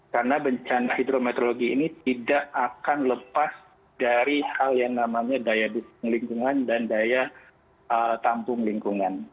karena bencana hidrometrologi ini tidak akan lepas dari hal yang namanya daya lingkungan dan daya tampung lingkungan